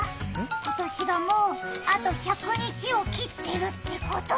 今年がもう、あと１００日を切ってるってこと。